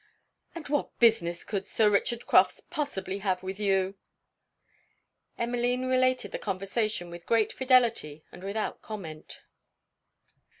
'And what business could Sir Richard Crofts possibly have with you?' Emmeline related the conversation with great fidelity and without comment.